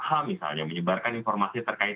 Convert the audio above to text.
h misalnya menyebarkan informasi terkait